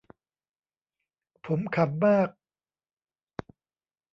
ผมขำมาก